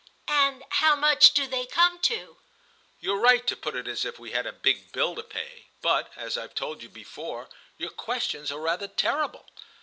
"And how much do they come to?" "You're right to put it as if we had a big bill to pay, but, as I've told you before, your questions are rather terrible.